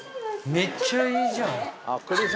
めっちゃいいじゃん。